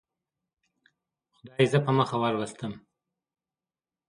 خدای زه په مخه وروستم.